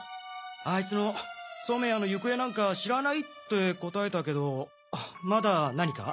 あいつの染谷の行方なんか知らないって答えたけどまだ何か？